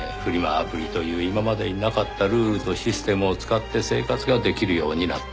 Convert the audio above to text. アプリという今までになかったルールとシステムを使って生活ができるようになった。